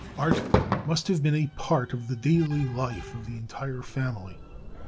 Art must have been a part of the daily life of the entire family.